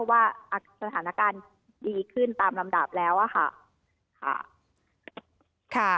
ว่าสถานการณ์ดีขึ้นตามลำดับแล้วอะค่ะ